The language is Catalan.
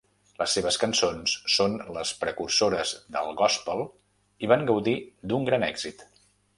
Les seves cançons són les precursores del gòspel i van gaudir d'un gran èxit.